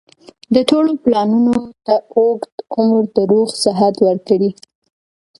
د ټولو پلانونو ته اوږد عمر د روغ صحت ورکړي